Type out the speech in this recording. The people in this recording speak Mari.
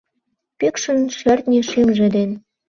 Пӱкшын шӧртньӧ шӱмжӧ ден